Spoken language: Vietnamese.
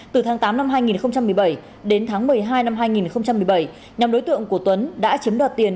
từ tháng tám năm hai nghìn một mươi bảy đến tháng một mươi hai năm hai nghìn một mươi bảy nhóm đối tượng của tuấn đã chiếm đoạt tiền